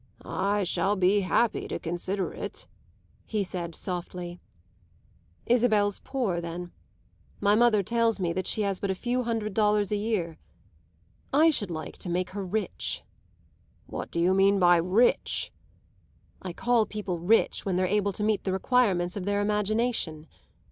"I shall be happy to consider it," he said softly. "Isabel's poor then. My mother tells me that she has but a few hundred dollars a year. I should like to make her rich." "What do you mean by rich?" "I call people rich when they're able to meet the requirements of their imagination.